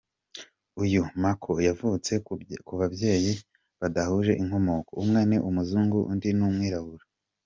Uyu Markel yavutse ku babyeyi badahuje inkomoko, umwe ni umuzungu undi ni umwirabura.